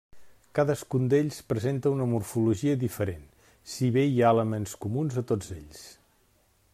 Cadascun d'ells presenta una morfologia diferent, si bé hi ha elements comuns a tots ells.